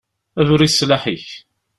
Bru i sslaḥ-ik!